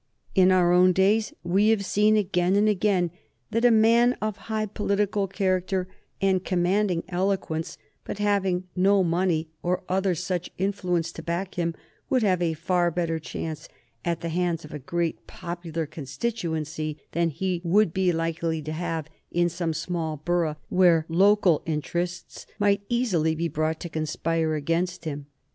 In our own days we have seen, again and again, that a man of high political character and commanding eloquence, but having no money or other such influence to back him, would have a far better chance at the hands of a great popular constituency than he would be likely to have in some small borough, where local interests might easily be brought to conspire against him.